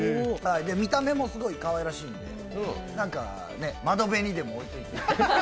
見た目もすごいかわいらしいんで、窓辺にでも置いておいて。